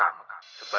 oh gue tau ini siapa